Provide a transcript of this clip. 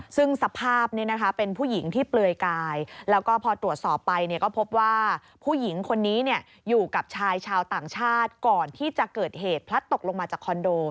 ซึ่งสภาพเป็นผู้หญิงที่เปลือยกายแล้วก็พอตรวจสอบไปก็พบว่าผู้หญิงคนนี้อยู่กับชายชาวต่างชาติก่อนที่จะเกิดเหตุพลัดตกลงมาจากคอนโด